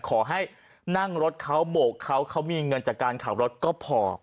ขอให้นั่งรถเขาโบกเขาเขามีเงินจากการขับรถก็พอ